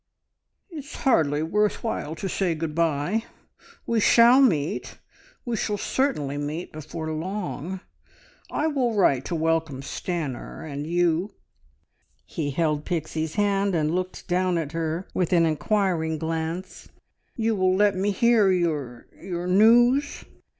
"It's hardly worth while to say good bye. We shall meet, we shall certainly meet before long. I will write to welcome Stanor, and you " he held Pixie's hand and looked down at her with an inquiring glance "you will let me hear your news?"